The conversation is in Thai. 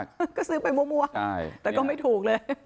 ก็ซื้อไปมั่วแต่ก็ไม่ถูกเลย